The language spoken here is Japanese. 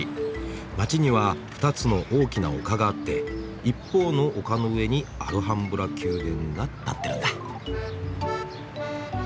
街には２つの大きな丘があって一方の丘の上にアルハンブラ宮殿が建ってるんだ。